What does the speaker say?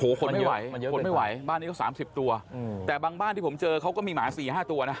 โหคนไม่ไหวคนไม่ไหวบ้านนี้ก็สามสิบตัวอืมแต่บางบ้านที่ผมเจอเขาก็มีหมาสี่ห้าตัวน่ะ